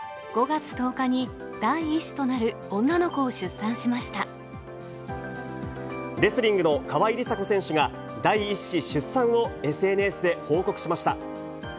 ５月１０日に、第１子となるレスリングの川井梨紗子選手が、第１子出産をＳＮＳで報告しました。